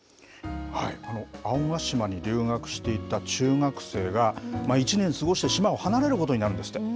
青ヶ島に留学していた中学生が、１年過ごした島を離れることになるんですって。